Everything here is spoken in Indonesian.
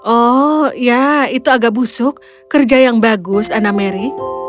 oh ya itu agak busuk kerja yang bagus anna mary